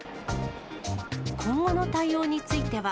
今後の対応については。